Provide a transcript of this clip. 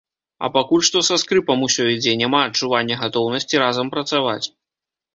А пакуль што са скрыпам усё ідзе, няма адчування гатоўнасці разам працаваць.